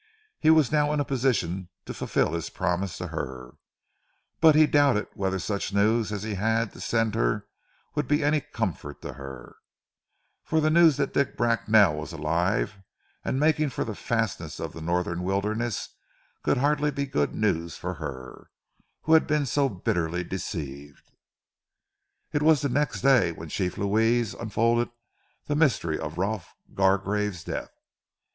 He was now in a position to fulfil his promise to her, but he doubted whether such news as he had to send her would be any comfort to her, for the news that Dick Bracknell was alive, and making for the fastnesses of the Northern wilderness, could hardly be good news for her, who had been so bitterly deceived. It was the next day when Chief Louis unfolded the mystery of Rolf Gargrave's death.